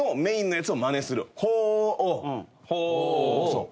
そう。